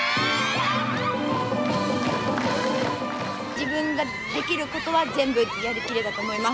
自分ができることは全部やりきれたと思います。